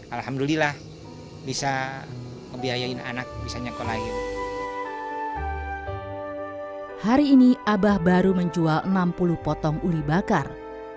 alhamdulillah bisa ngebiayain anak bisa nyekolahin hari ini abah baru menjual enam puluh potong uli bakar